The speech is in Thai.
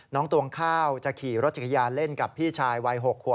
ตวงข้าวจะขี่รถจักรยานเล่นกับพี่ชายวัย๖ขวบ